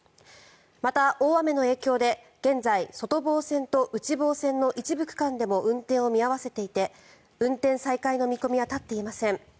また大雨の影響で現在外房線と内房線の一部区間でも運転を見合わせていて運転再開の見込みは立っていません。